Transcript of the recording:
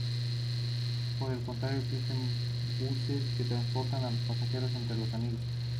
Por el contrario existen buses que transportan a los pasajeros entre los anillos.